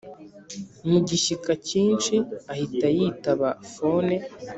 mugishyika kinshi ahita yitaba phone.